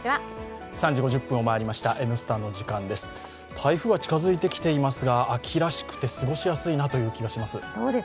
台風が近づいてきていますが、秋らしくて過ごしやすいなという気がします。